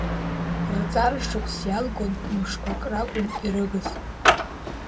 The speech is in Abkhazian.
Рҵара шықәс иалгон, мшқәак ракәын ирыгыз.